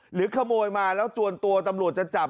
หรือขโมยมาแล้วจวนตัวตำรวจจะจับ